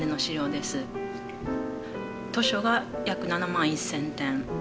図書が約７万１，０００点。